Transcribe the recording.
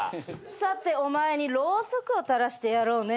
さてお前にろうそくを垂らしてやろうね。